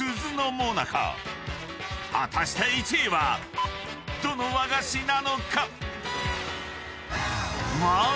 ［果たして１位はどの和菓子なのか？］